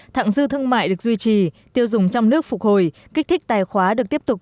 thẳng dư thương mại được duy trì tiêu dùng trong nước phục hồi kích thích tài khoá được tiếp tục